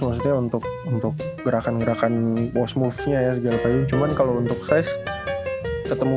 maksudnya untuk untuk gerakan gerakan posmovenya ya segala kayaknya cuman kalau untuk size ketemu